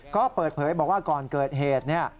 ก็เปิดเผยบอกว่าก่อนเกิดเหตุเนี่ย